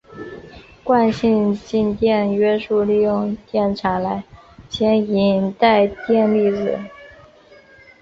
惯性静电约束利用电场来牵引带电粒子。